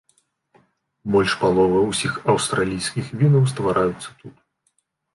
Больш паловы ўсіх аўстралійскіх вінаў ствараюцца тут.